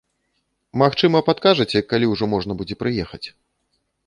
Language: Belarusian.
Магчыма, падкажаце, калі ўжо можна будзе прыехаць?